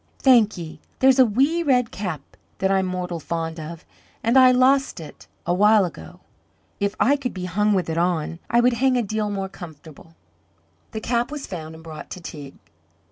"Thank ye. There's a wee red cap that I'm mortal fond of, and I lost it a while ago; if I could be hung with it on, I would hang a deal more comfortable." The cap was found and brought to Teig.